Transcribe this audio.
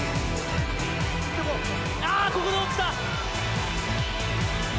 ここで落ちた。